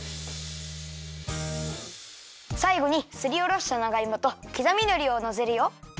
さいごにすりおろした長いもときざみのりをのせるよ。